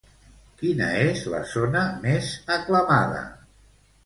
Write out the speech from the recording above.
Quina és la zona més aclamada?